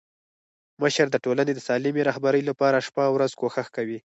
مشر د ټولني د سالمي رهبري لپاره شپه او ورځ کوښښ کوي.